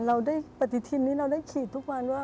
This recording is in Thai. เราได้ปฏิทินให้เราได้ขีดทุกวันว่า